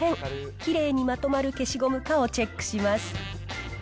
きれいにまとまる消しゴムかをチェックします。